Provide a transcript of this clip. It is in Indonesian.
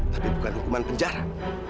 tapi bukan hukuman penjara